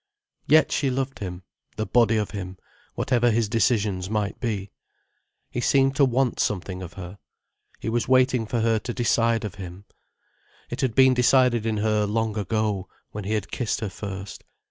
Yet she loved him, the body of him, whatever his decisions might be. He seemed to want something of her. He was waiting for her to decide of him. It had been decided in her long ago, when he had kissed her first.